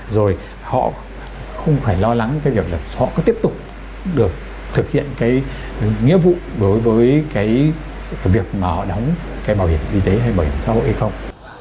rồi họ không phải lo lắng cái việc là họ cứ tiếp tục được thực hiện cái nghĩa vụ đối với cái việc mà họ đóng cái bảo hiểm y tế hay bảo hiểm xã hội hay không